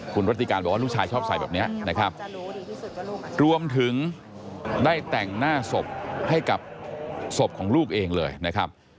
คุณรัติการบอกว่าลูกชายชอบใส่แบบนี้นะครับรวมถึงได้แต่งหน้าศพให้กับศพของลูกเองเลยนะครับ